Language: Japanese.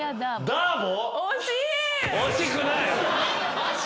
ダーボ。